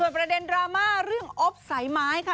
ประเด็นดราม่าเรื่องอบสายไม้ค่ะ